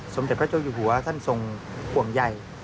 สมเด็จพระเจ้าอยู่หัวท่านทรงห่วงใหญ่